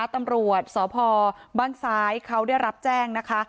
ตำรวจสพบ้านซ้ายเขาได้รับแจ้งนะคะ